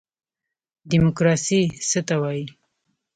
دیموکراسي څه ته وایي؟